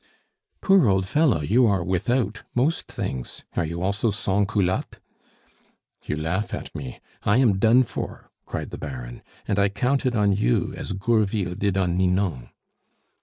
"Poor old fellow! you are without most things. Are you also sans culotte?" "You laugh at me! I am done for," cried the Baron. "And I counted on you as Gourville did on Ninon."